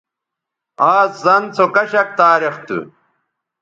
آز څَن سو کشک تاریخ تھو